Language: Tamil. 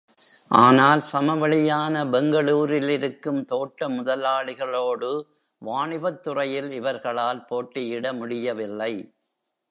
ஆனால் சமவெளியான பெங்களூரிலிருக்கும் தோட்ட முதலாளிகளோடு, வாணிபத் துறையில் இவர்களால் போட்டியிட முடியவில்லை.